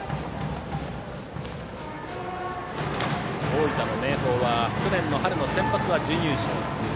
大分の明豊は去年春のセンバツは準優勝。